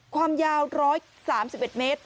ความยาว๑๓๑เมตร